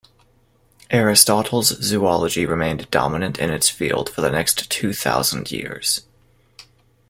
Aristotle's zoology remained dominant in its field for the next two thousand years.